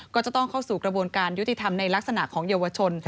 ก็จะต้องเข้าสู่กระบวนการยุติธรรมในลักษณะของเยาวชน